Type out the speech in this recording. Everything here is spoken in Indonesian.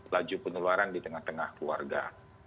laju penularan di tengah tengah keluarga